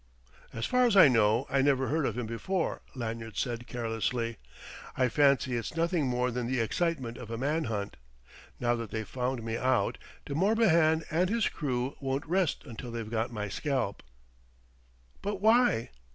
"As far as I know, I never heard of him before," Lanyard said carelessly. "I fancy it's nothing more than the excitement of a man hunt. Now that they've found me out, De Morbihan and his crew won't rest until they've got my scalp." "But why?"